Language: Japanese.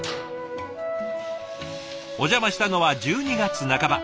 お邪魔したのは１２月半ば。